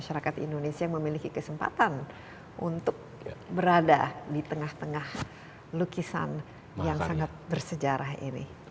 masyarakat indonesia yang memiliki kesempatan untuk berada di tengah tengah lukisan yang sangat bersejarah ini